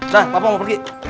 lah papa mau pergi